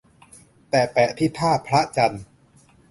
แต่แปะที่ท่าพระจันทร์